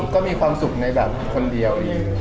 ก็มีความสุขในคนเดียว